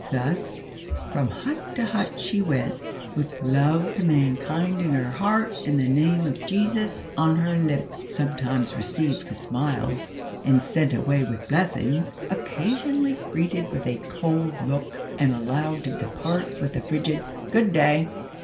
Thus, from hut to hut she went, with love to mankind in her heart and the name of Jesus on her lip; sometimes received with smiles and sent away with blessings, occasionally greeted with a cold look, and allowed to depart with a frigid "good day!"